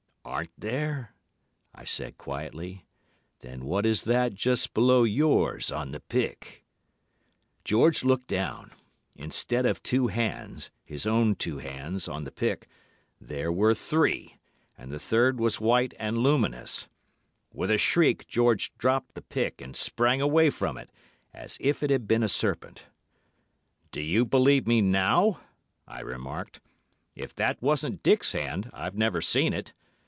"'Aren't there?' I said quietly. 'Then what is that just below yours on the pick.' "George looked down. Instead of two hands—his own two hands—on the pick, there were three, and the third was white and luminous. With a shriek, George dropped the pick, and sprang away from it, as if it had been a serpent. [Illustration: "My God! There's Dick! He's just behind you"] "'Do you believe me now?' I remarked. 'If that wasn't Dick's hand, I've never seen it.